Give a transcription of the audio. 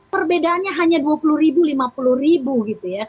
perbedaannya hanya dua puluh ribu lima ribu